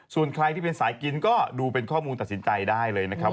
ส่วนใครที่เป็นสายกินก็ดูเป็นข้อมูลตัดสินใจได้เลยนะครับ